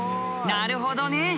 なるほどね。